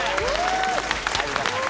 ありがとうございます。